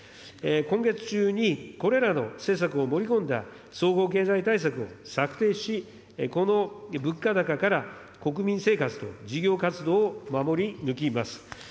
今月中にこれらの施策を盛り込んだ総合経済対策を策定し、この物価高から国民生活と事業活動を守り抜きます。